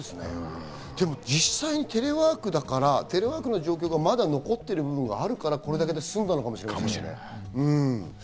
実際テレワークだから、テレワークの状況がまだ残っている部分があるから、これだけで済んだかもしれませんね。